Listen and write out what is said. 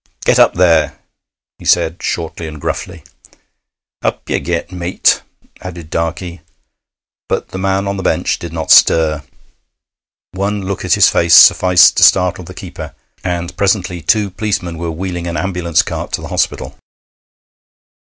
'Get up, there!' he said shortly and gruffly. 'Up ye get, mate,' added Darkey, but the man on the bench did not stir. One look at his face sufficed to startle the keeper, and presently two policemen were wheeling an ambulance cart to the hospital.